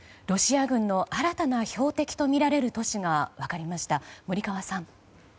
ロシア軍の新たな標的とみられる都市が分かりました。